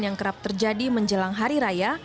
yang kerap terjadi menjelang hari raya